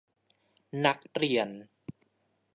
นักเรียน